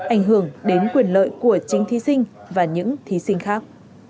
ảnh hưởng đến quyền lợi của chính thí sinh và những thí sinh khác